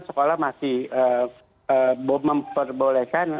sekolah masih memperbolehkan